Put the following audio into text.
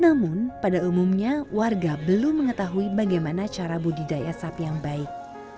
namun pada umumnya warga belum mengetahui bagaimana cara budidaya sapi yang baik